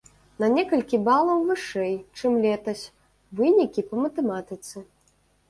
На некалькі балаў вышэй, чым летась, вынікі па матэматыцы.